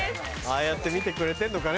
ああやって見てくれてんのかね